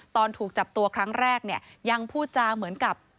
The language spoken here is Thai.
ตอนถูกจับตัวครั้งแรกเนี่ยยังพูดจาเหมือนกับ